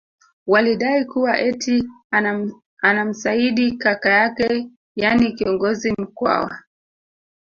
Walidai kuwa eti anamsaidi kaka yake yani kiongozi Mkwawa